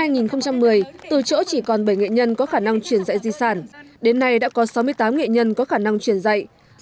năm hai nghìn một mươi từ chỗ chỉ còn bảy nghệ nhân có khả năng truyền dạy di sản đến nay đã có sáu mươi tám nghệ nhân có khả năng truyền dạy